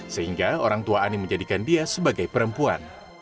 sehingga orang tua ani menjadikan dia sebagai perempuan